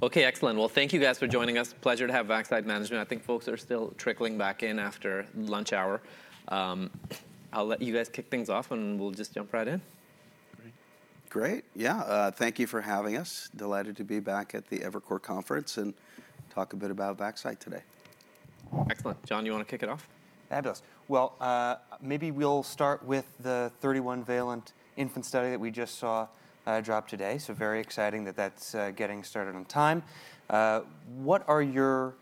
Okay, excellent. Well, thank you guys for joining us. Pleasure to have Vaxcyte management. I think folks are still trickling back in after lunch hour. I'll let you guys kick things off, and we'll just jump right in. Great. Great. Yeah, thank you for having us. Delighted to be back at the Evercore Conference and talk a bit about Vaxcyte today. Excellent. John, you want to kick it off? Fabulous. Well, maybe we'll start with the 31-valent infant study that we just saw drop today. So very exciting that that's getting started on time. What are your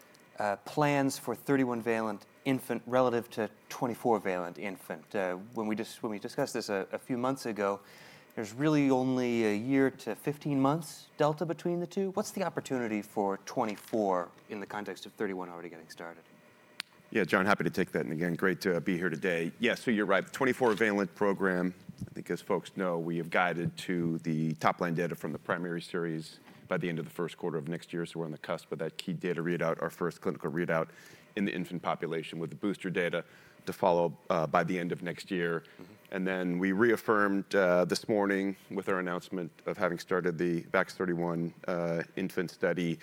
plans for 31-valent infant relative to 24-valent infant? When we discussed this a few months ago, there's really only a year to 15 months delta between the two. What's the opportunity for 24 in the context of 31 already getting started? Yeah, John, happy to take that. And again, great to be here today. Yeah, so you're right. The 24-valent program, I think as folks know, we have guided to the top-line data from the primary series by the end of the first quarter of next year. So we're on the cusp of that key data readout, our first clinical readout in the infant population with the booster data to follow by the end of next year. And then we reaffirmed this morning with our announcement of having started the VAX-31 infant study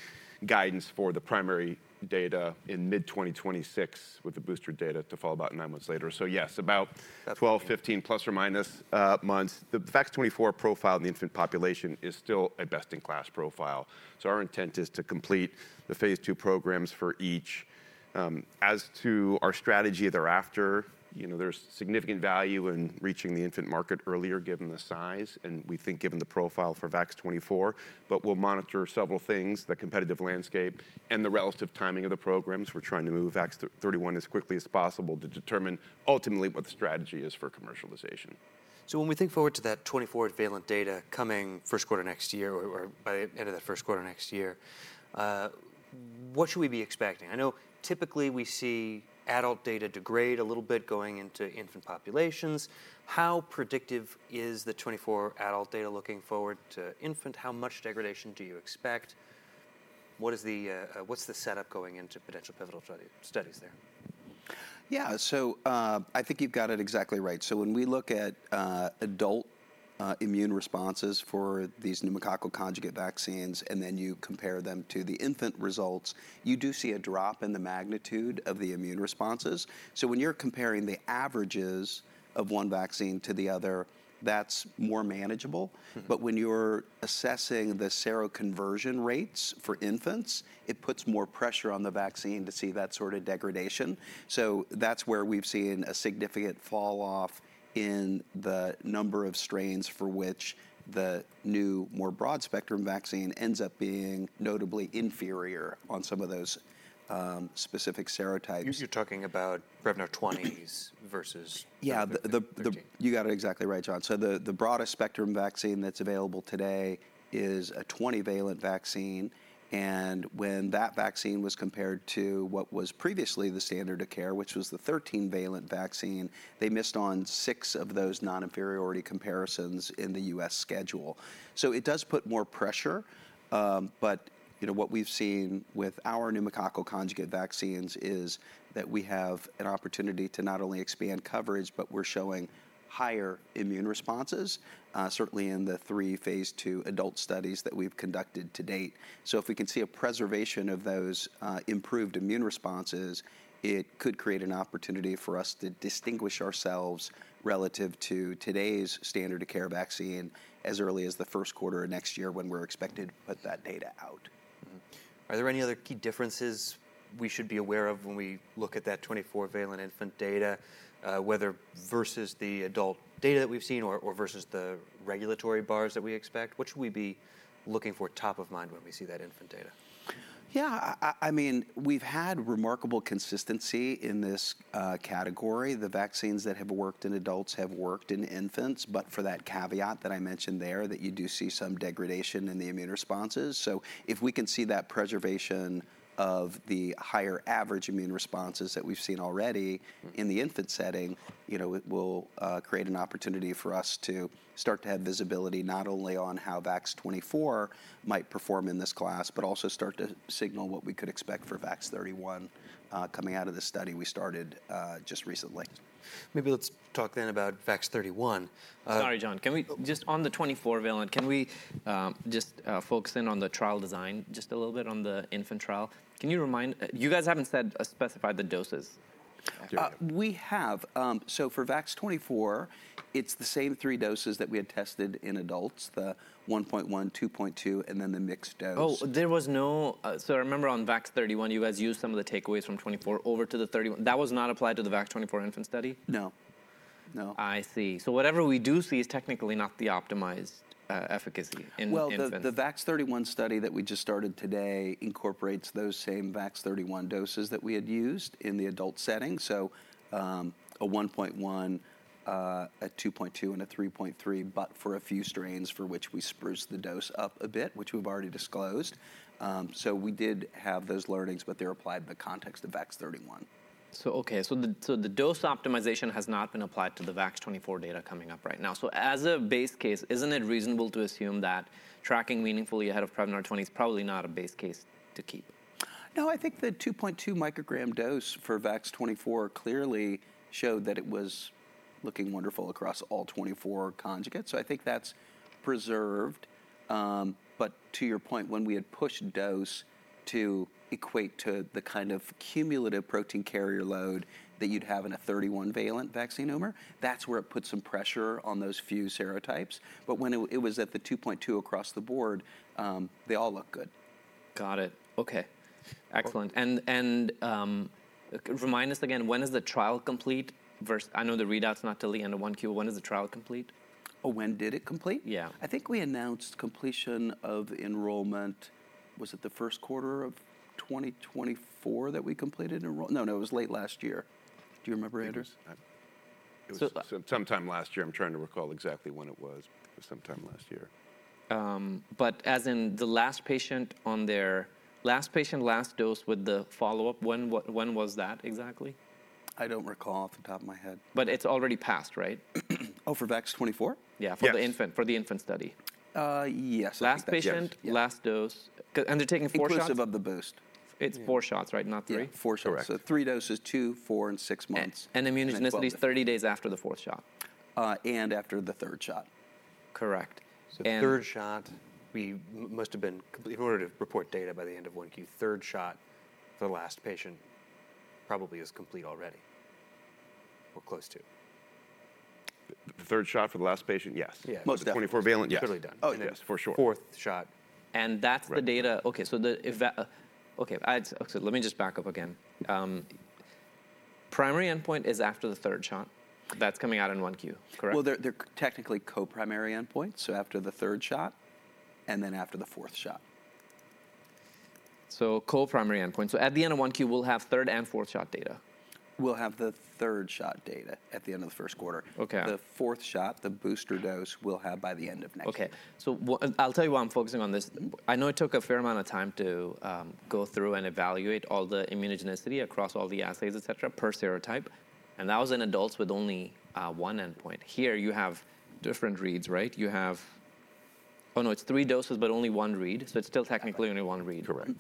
guidance for the primary data in mid-2026 with the booster data to follow about nine months later. So yes, about 12-15, plus or minus, months. The VAX-24 profile in the infant population is still a best-in-class profile. So our intent is to complete the phase 2 programs for each. As to our strategy thereafter, there's significant value in reaching the infant market earlier given the size, and we think given the profile for VAX-24, but we'll monitor several things: the competitive landscape and the relative timing of the programs. We're trying to move VAX-31 as quickly as possible to determine ultimately what the strategy is for commercialization. So when we think forward to that 24 valent data coming first quarter next year or by the end of that first quarter next year, what should we be expecting? I know typically we see adult data degrade a little bit going into infant populations. How predictive is the 24 adult data looking forward to infant? How much degradation do you expect? What's the setup going into potential pivotal studies there? Yeah, so I think you've got it exactly right. So when we look at adult immune responses for these pneumococcal conjugate vaccines, and then you compare them to the infant results, you do see a drop in the magnitude of the immune responses. So when you're comparing the averages of one vaccine to the other, that's more manageable. But when you're assessing the seroconversion rates for infants, it puts more pressure on the vaccine to see that sort of degradation. So that's where we've seen a significant falloff in the number of strains for which the new more broad spectrum vaccine ends up being notably inferior on some of those specific serotypes. You're talking about Prevnar 20s versus 13 [?] Yeah, you got it exactly right, John. So the broadest spectrum vaccine that's available today is a 20-valent vaccine. And when that vaccine was compared to what was previously the standard of care, which was the 13-valent vaccine, they missed on six of those non-inferiority comparisons in the U.S. schedule. So it does put more pressure. But what we've seen with our pneumococcal conjugate vaccines is that we have an opportunity to not only expand coverage, but we're showing higher immune responses, certainly in the three phase two adult studies that we've conducted to date. So if we can see a preservation of those improved immune responses, it could create an opportunity for us to distinguish ourselves relative to today's standard of care vaccine as early as the first quarter of next year when we're expected to put that data out. Are there any other key differences we should be aware of when we look at that 24-valent infant data, whether versus the adult data that we've seen or versus the regulatory bars that we expect? What should we be looking for top of mind when we see that infant data? Yeah, I mean, we've had remarkable consistency in this category. The vaccines that have worked in adults have worked in infants, but for that caveat that I mentioned there that you do see some degradation in the immune responses. So if we can see that preservation of the higher average immune responses that we've seen already in the infant setting, it will create an opportunity for us to start to have visibility not only on how VAX-24 might perform in this class, but also start to signal what we could expect for VAX-31 coming out of the study we started just recently. Maybe let's talk then about VAX-31. Sorry, John. Just on the 24-valent, can we just focus in on the trial design just a little bit on the infant trial? Can you remind? You guys haven't specified the doses. We have. So for VAX-24, it's the same three doses that we had tested in adults, the 1.1, 2.2, and then the mixed dose. Oh, there was no. So I remember on VAX-31, you guys used some of the takeaways from 24 over to the 31. That was not applied to the VAX-24 infant study? No. I see. So whatever we do see is technically not the optimized efficacy in the infants. The VAX 31 study that we just started today incorporates those same VAX 31 doses that we had used in the adult setting. A 1.1, a 2.2, and a 3.3, but for a few strains for which we spruced the dose up a bit, which we've already disclosed. We did have those learnings, but they're applied in the context of VAX-31. So okay, so the dose optimization has not been applied to the VAX-24 data coming up right now. So as a base case, isn't it reasonable to assume that tracking meaningfully ahead of Prevnar 20 is probably not a base case to keep? No, I think the 2.2 microgram dose for VAX-24 clearly showed that it was looking wonderful across all 24 conjugates. So I think that's preserved. But to your point, when we had pushed dose to equate to the kind of cumulative protein carrier load that you'd have in a 31-valent vaccine eCRM, that's where it put some pressure on those few serotypes. But when it was at the 2.2 across the board, they all look good. Got it. Okay. Excellent. And remind us again, when is the trial complete? I know the readout's not till the end of one Q. When is the trial complete? Oh, when did it complete? Yeah. I think we announced completion of enrollment, was it the first quarter of 2024 that we completed enrollment? No, no, it was late last year. Do you remember, Andrew? It was sometime last year. I'm trying to recall exactly when it was, but it was sometime last year. But as in the last patient on their last dose with the follow-up, when was that exactly? I don't recall off the top of my head. But it's already passed, right? Oh, for VAX-24? Yeah, for the infant, for the infant study. Yes. Last patient, last dose. And they're taking four shots? Inclusive of the boost. It's four shots, right? Not three? Yeah, four shots. So three doses, two, four, and six months. Immunogenicity is 30 days after the fourth shot. After the third shot. Correct. So third shot, we must have been complete in order to report data by the end of 1Q. Third shot for the last patient probably is complete already or close to. The third shot for the last patient, yes. Most of that 24-valent, yes. Oh, yeah, for sure. Fourth shot. That's the data. Okay, so let me just back up again. Primary endpoint is after the third shot that's coming out in one Q, correct? They're technically co-primary endpoints after the third shot and then after the fourth shot. Co-primary endpoint. At the end of one Q, we'll have third and fourth shot data. We'll have the third shot data at the end of the first quarter. The fourth shot, the booster dose, we'll have by the end of next year. Okay. So I'll tell you why I'm focusing on this. I know it took a fair amount of time to go through and evaluate all the immunogenicity across all the assays, et cetera, per serotype. And that was in adults with only one endpoint. Here you have different reads, right? You have, oh no, it's three doses, but only one read. So it's still technically only one read. Correct.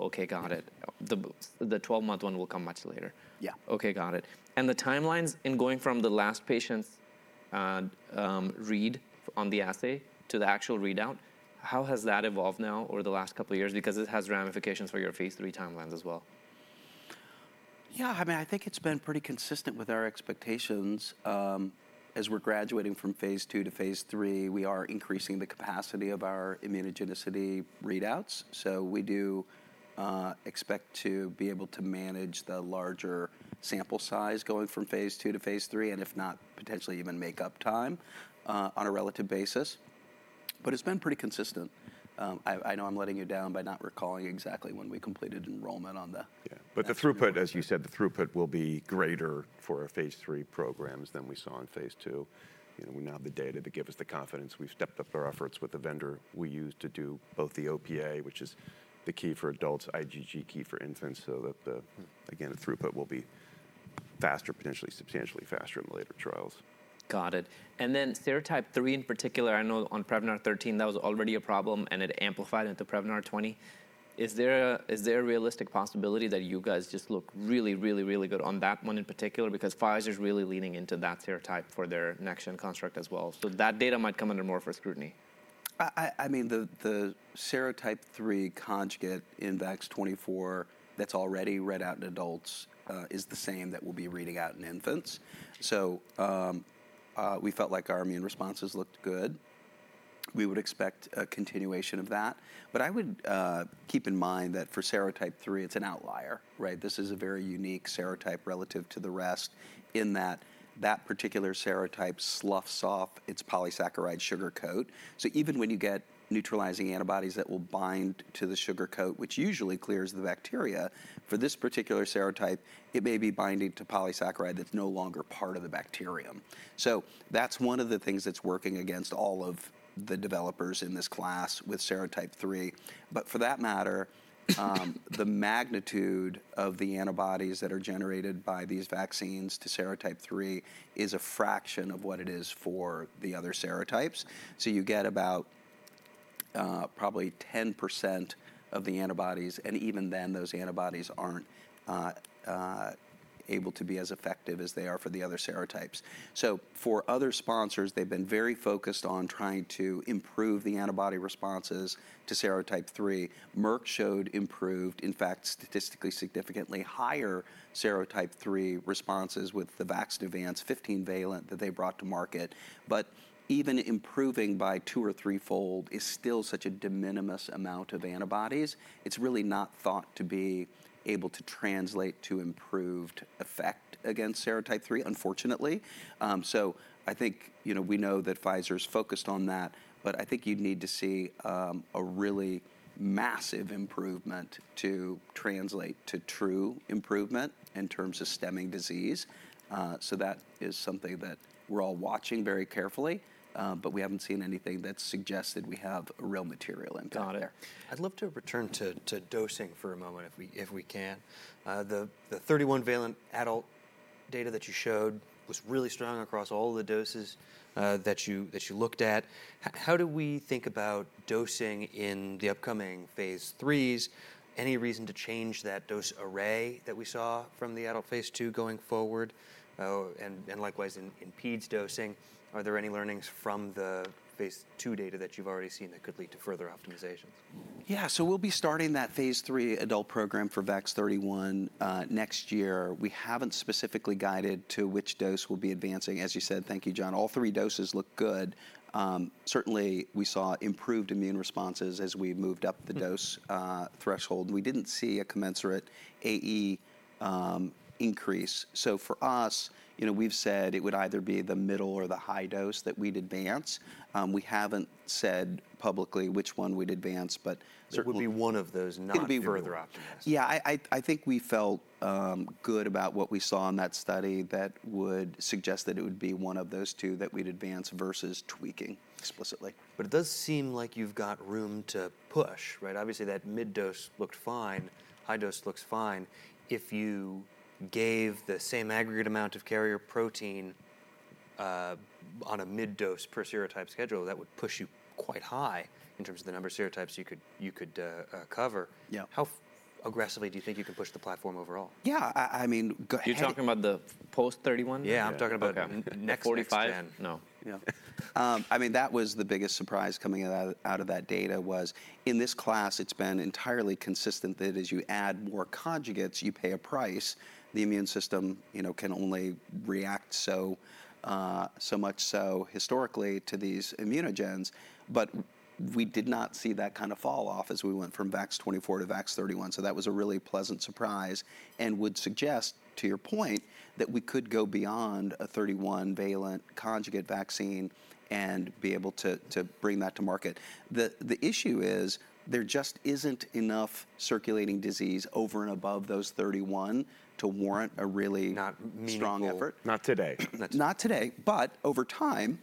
Okay, got it. The 12-month one will come much later. Yeah. Okay, got it. And the timelines in going from the last patient's read on the assay to the actual readout, how has that evolved now over the last couple of years? Because it has ramifications for your phase 3 timelines as well. Yeah, I mean, I think it's been pretty consistent with our expectations. As we're graduating from phase two to phase three, we are increasing the capacity of our immunogenicity readouts. So we do expect to be able to manage the larger sample size going from phase two to phase three and if not potentially even make up time on a relative basis. But it's been pretty consistent. I know I'm letting you down by not recalling exactly when we completed enrollment on the. Yeah, but the throughput, as you said, the throughput will be greater for our phase three programs than we saw in phase two. We now have the data to give us the confidence. We've stepped up our efforts with the vendor we use to do both the OPA, which is the key for adults, IgG key for infants, so that the, again, the throughput will be faster, potentially substantially faster in the later trials. Got it. And then Serotype 3 in particular, I know on Prevnar 13, that was already a problem and it amplified into Prevnar 20. Is there a realistic possibility that you guys just look really, really, really good on that one in particular? Because Pfizer's really leaning into that serotype for their next gen construct as well. So that data might come under more of a scrutiny. I mean, the serotype three conjugate in VAX-24 that's already read out in adults is the same that we'll be reading out in infants. So we felt like our immune responses looked good. We would expect a continuation of that. But I would keep in mind that for serotype three, it's an outlier, right? This is a very unique serotype relative to the rest in that that particular serotype sloughs off its polysaccharide sugar coat. So even when you get neutralizing antibodies that will bind to the sugar coat, which usually clears the bacteria, for this particular serotype, it may be binding to polysaccharide that's no longer part of the bacterium. So that's one of the things that's working against all of the developers in this class with serotype three. But for that matter, the magnitude of the antibodies that are generated by these vaccines to serotype three is a fraction of what it is for the other serotypes. So you get about probably 10% of the antibodies. And even then, those antibodies aren't able to be as effective as they are for the other serotypes. So for other sponsors, they've been very focused on trying to improve the antibody responses to serotype three. Merck showed improved, in fact, statistically significantly higher serotype three responses with the VAXNEUVANCE 15 valent that they brought to market. But even improving by two or threefold is still such a de minimis amount of antibodies. It's really not thought to be able to translate to improved effect against serotype three, unfortunately. So I think we know that Pfizer's focused on that. But I think you'd need to see a really massive improvement to translate to true improvement in terms of stemming disease. So that is something that we're all watching very carefully. But we haven't seen anything that suggested we have a real material impact there. Got it. I'd love to return to dosing for a moment if we can. The 31-valent adult data that you showed was really strong across all of the doses that you looked at. How do we think about dosing in the upcoming phase 3s? Any reason to change that dose array that we saw from the adult phase 2 going forward? And likewise in peds dosing, are there any learnings from the phase 2 data that you've already seen that could lead to further optimizations? Yeah, so we'll be starting that phase 3 adult program for VAX-31 next year. We haven't specifically guided to which dose we'll be advancing. As you said, thank you, John. All three doses look good. Certainly, we saw improved immune responses as we moved up the dose threshold. We didn't see a commensurate AE increase. So for us, we've said it would either be the middle or the high dose that we'd advance. We haven't said publicly which one we'd advance, but. So it would be one of those, not further optimized. Yeah, I think we felt good about what we saw in that study that would suggest that it would be one of those two that we'd advance versus tweaking explicitly. It does seem like you've got room to push, right? Obviously, that mid dose looked fine. High dose looks fine. If you gave the same aggregate amount of carrier protein on a mid dose per serotype schedule, that would push you quite high in terms of the number of serotypes you could cover. How aggressively do you think you can push the platform overall? Yeah, I mean. You're talking about the VAX-31? Yeah, I'm talking about next to the 10. 45? No. Yeah. I mean, that was the biggest surprise coming out of that data: in this class, it's been entirely consistent that as you add more conjugates, you pay a price. The immune system can only react so much, so historically to these immunogens. But we did not see that kind of fall off as we went from VAX-24 to VAX-31. So that was a really pleasant surprise and would suggest, to your point, that we could go beyond a 31-valent conjugate vaccine and be able to bring that to market. The issue is there just isn't enough circulating disease over and above those 31 to warrant a really strong effort. Not today. Not today, but over time,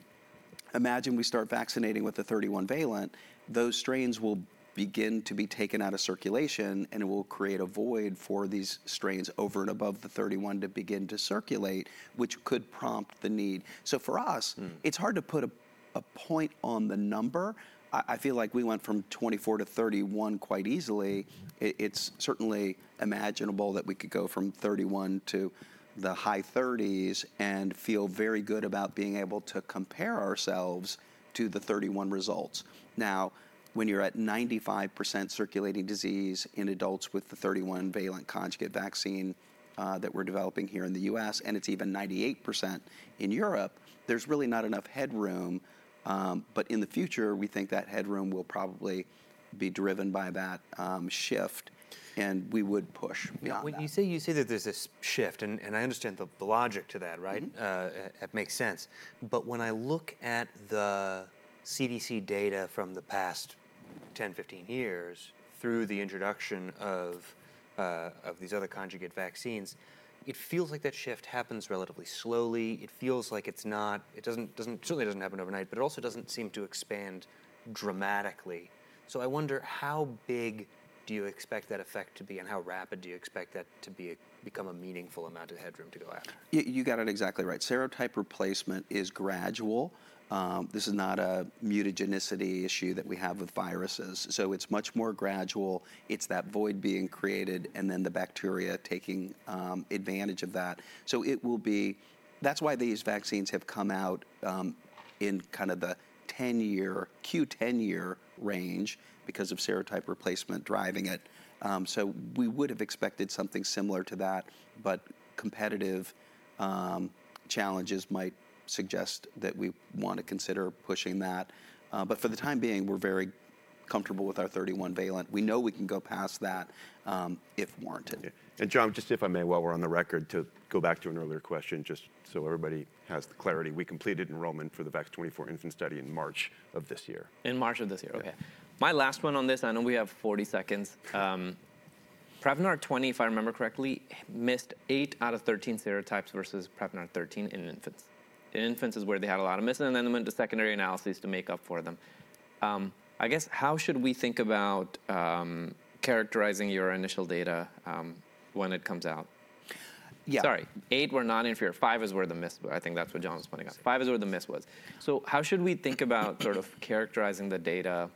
imagine we start vaccinating with the 31 valent, those strains will begin to be taken out of circulation and it will create a void for these strains over and above the 31 to begin to circulate, which could prompt the need, so for us, it's hard to put a point on the number. I feel like we went from 24 to 31 quite easily. It's certainly imaginable that we could go from 31 to the high 30s and feel very good about being able to compare ourselves to the 31 results. Now, when you're at 95% circulating disease in adults with the 31 valent conjugate vaccine that we're developing here in the U.S., and it's even 98% in Europe, there's really not enough headroom, but in the future, we think that headroom will probably be driven by that shift, and we would push. When you say you see that there's this shift, and I understand the logic to that, right? It makes sense. But when I look at the CDC data from the past 10, 15 years through the introduction of these other conjugate vaccines, it feels like that shift happens relatively slowly. It feels like it's not, it certainly doesn't happen overnight, but it also doesn't seem to expand dramatically. So I wonder how big do you expect that effect to be and how rapid do you expect that to become a meaningful amount of headroom to go after? You got it exactly right. Serotype replacement is gradual. This is not a mutagenicity issue that we have with viruses. So it's much more gradual. It's that void being created and then the bacteria taking advantage of that. So it will be. That's why these vaccines have come out in kind of the 10-year, 10-year range because of serotype replacement driving it. So we would have expected something similar to that, but competitive challenges might suggest that we want to consider pushing that. But for the time being, we're very comfortable with our 31-valent. We know we can go past that if warranted. John, just if I may, while we're on the record, to go back to an earlier question, just so everybody has the clarity, we completed enrollment for the VAX-24 infant study in March of this year. In March of this year, okay. My last one on this, I know we have 40 seconds. Prevnar 20, if I remember correctly, missed eight out of 13 serotypes versus Prevnar 13 in infants. In infants is where they had a lot of misses, and then they went to secondary analyses to make up for them. I guess how should we think about characterizing your initial data when it comes out? Yeah. Sorry. Eight were not inferior. Five is where the miss, I think that's what John was pointing out. Five is where the miss was. So how should we think about sort of characterizing the data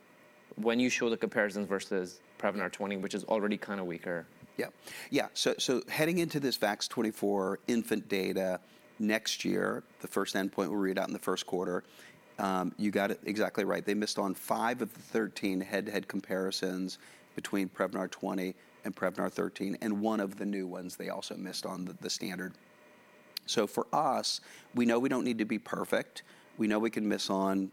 when you show the comparisons versus Prevnar 20, which is already kind of weaker? Yeah. Yeah. So heading into this VAX-24 infant data next year, the first endpoint we'll read out in the first quarter, you got it exactly right. They missed on five of the 13 head-to-head comparisons between Prevnar 20 and Prevnar 13, and one of the new ones they also missed on the standard. So for us, we know we don't need to be perfect. We know we can miss on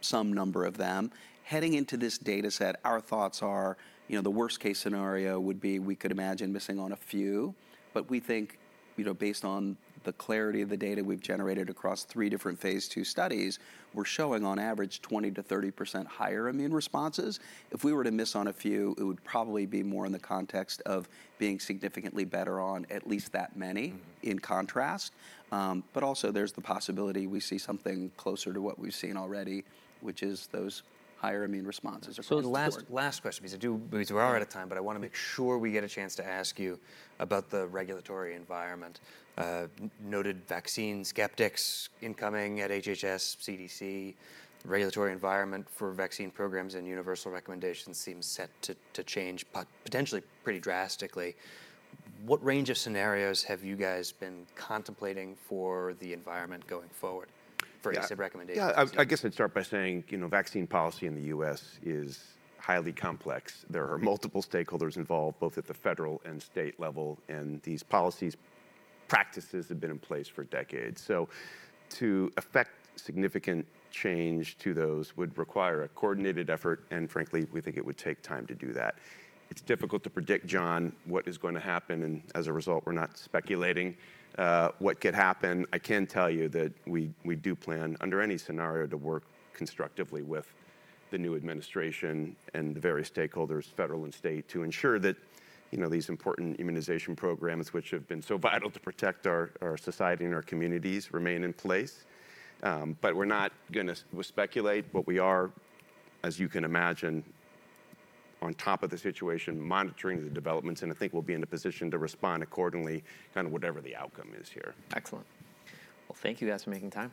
some number of them. Heading into this data set, our thoughts are, you know, the worst-case scenario would be we could imagine missing on a few. But we think, you know, based on the clarity of the data we've generated across three different phase 2 studies, we're showing on average 20%-30% higher immune responses. If we were to miss on a few, it would probably be more in the context of being significantly better on at least that many in contrast. But also there's the possibility we see something closer to what we've seen already, which is those higher immune responses. So last question, because we are out of time, but I want to make sure we get a chance to ask you about the regulatory environment. Noted vaccine skeptics incoming at HHS, CDC. The regulatory environment for vaccine programs and universal recommendations seems set to change potentially pretty drastically. What range of scenarios have you guys been contemplating for the environment going forward for recommendations? Yeah, I guess I'd start by saying, you know, vaccine policy in the U.S. is highly complex. There are multiple stakeholders involved both at the federal and state level, and these policies, practices have been in place for decades. So to affect significant change to those would require a coordinated effort, and frankly, we think it would take time to do that. It's difficult to predict, John, what is going to happen, and as a result, we're not speculating what could happen. I can tell you that we do plan, under any scenario, to work constructively with the new administration and the various stakeholders, federal and state, to ensure that these important immunization programs, which have been so vital to protect our society and our communities, remain in place. But we're not going to speculate, but we are, as you can imagine, on top of the situation, monitoring the developments, and I think we'll be in a position to respond accordingly, kind of whatever the outcome is here. Excellent. Well, thank you guys for making time.